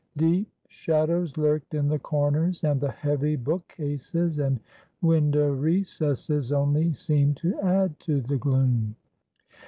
Deep shadows lurked in the corners, and the heavy book cases and window recesses only seemed to add to the gloom.